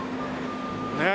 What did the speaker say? ねえ。